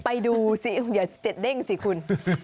ไปดูสิเดี๋ยวเจ็ดเด้งสิคุณ